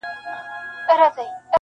اوس د زلمیو هوسونو جنازه ووته-